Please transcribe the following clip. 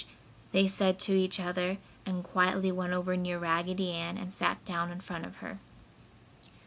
"Sh! Sh!" they said to each other and quietly went over near Raggedy Ann and sat down in front of her.